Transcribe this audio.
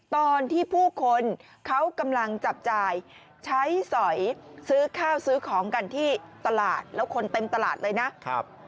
ตอนที่ผู้คนเขากำลังจับจ่ายใช้สอยซื้อข้าวซื้อของกันที่ตลาดแล้วคนเต็มตลาดเลยนะครับ